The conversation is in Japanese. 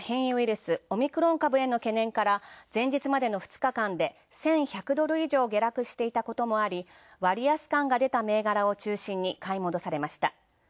スオミクロン株への懸念から前日までの２日間で１１００ドル以上下落していたこともあり割安感が出た銘柄を中心に買い戻されました